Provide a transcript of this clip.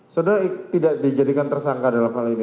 saudara tidak dijadikan tersangka dalam hal ini